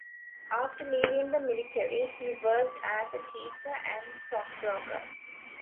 After leaving the military he worked as a teacher and stockbroker.